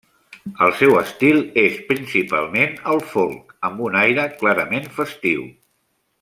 El seu estil és principalment el folk amb un aire clarament festiu.